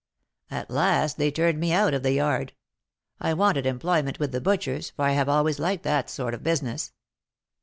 At last they turned me out of the yard. I wanted employment with the butchers, for I have always liked that sort of business.